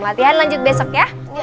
latihan lanjut besok ya